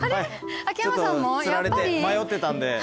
つられて迷ってたんで。